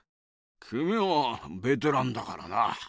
きみはベテランだからな。